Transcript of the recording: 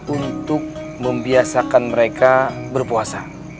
untuk membiasakan mereka berpuasa